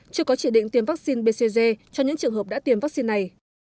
chưa có chỉ định tiêm vaccine bcg cho những trường hợp đã tiêm vaccine này